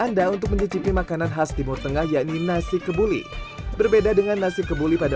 anda untuk mencicipi makanan khas timur tengah yakni nasi kebuli berbeda dengan nasi kebuli pada